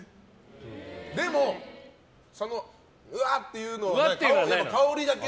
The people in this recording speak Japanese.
でも、うわーっていう香りだけ。